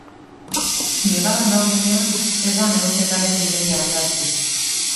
Bigarren laurdenean ez da neurketaren gidoia aldatu.